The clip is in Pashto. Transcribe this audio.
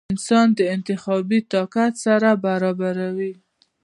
د انسان د انتخابي طاقت سره برابروې ؟